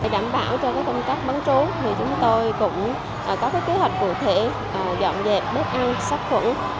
đảm bảo cho công tác bắn trú chúng tôi cũng có kế hoạch cụ thể dọn dẹp bếp ăn sát khuẩn